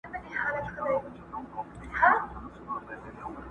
وده پرهرونه ښه رالوی کړمه